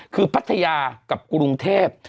คือพัทยากับกรุงเทพ